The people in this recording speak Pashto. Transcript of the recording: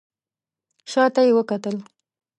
شا ته یې وکتل.